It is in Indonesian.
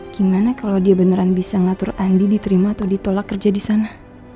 gimana kalau dia beneran bisa ngatur andi diterima atau ditolak kerja di sana